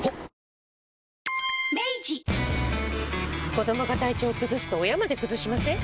子どもが体調崩すと親まで崩しません？